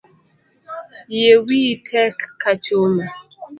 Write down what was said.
Yie wiyi tek ka chuma